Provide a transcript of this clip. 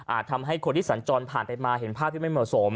ทำให้คนที่สัญจรผ่านไปมาเห็นภาพที่ไม่เหมาะสม